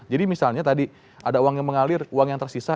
jadi misalnya tadi ada uang yang mengalir uang yang tersisa